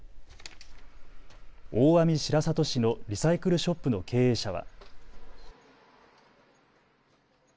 大網白里市のリサイクルショップの経営者は。